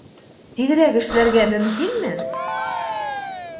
Тиҙерәк эшләргә мөмкинме?